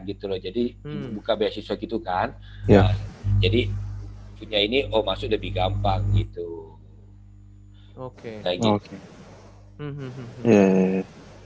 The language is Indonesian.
gitu loh jadi bukaee sisa gitu kan ya jadi punya ini omas lebih gampang gitu oke oke hmm ya intlines